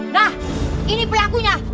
nah ini pelakunya